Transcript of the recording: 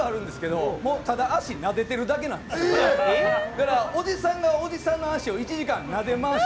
だからおじさんがおじさんの足を１時間なで回しただけっていう。